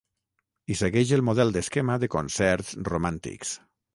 I segueix el model d'esquema de concerts romàntics.